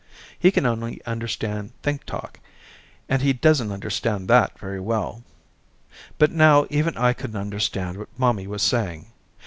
He can only understand think talk, and he doesn't understand that very well. But now even I couldn't understand what mommy was saying.